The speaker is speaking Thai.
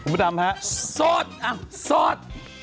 คุณผู้ดำครับสดอ้าวสด